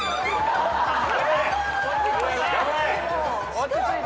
落ち着いて。